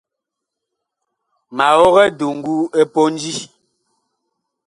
Ma og eduŋgu ɛ pondi.